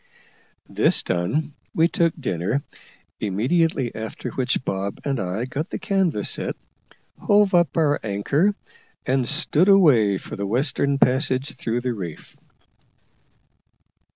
This done, we took dinner, immediately after which Bob and I got the canvas set, hove up our anchor, and stood away for the western passage through the reef.